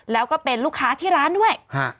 แล้วก็เป็นลูกค้าที่ร้านด้วย